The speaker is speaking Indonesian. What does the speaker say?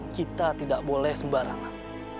kita tidak boleh sembarangan